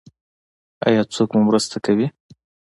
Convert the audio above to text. ایا څوک مو مرسته کوي؟